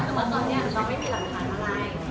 แต่ว่าตอนนี้เราไม่มีหลักฐานอะไร